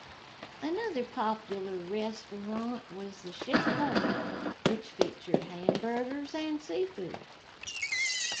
Another popular restaurant was the Ship Ahoy, which featured hamburgers and seafood.